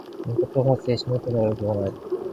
눈 깜박할 새에 시멘트 가루를 개곤 하였다.